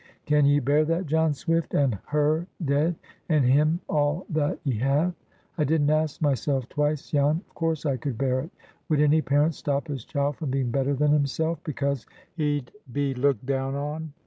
Can ye bear that, John Swift, and her dead, and him all that ye have?' I didn't ask myself twice, Jan. Of course I could bear it. Would any parent stop his child from being better than himself because he'd be looked down on?